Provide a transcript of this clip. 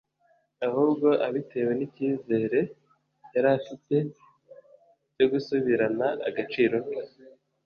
ahubwo abitewe n'icyizere yari afite cyo gusubirana agaciro ke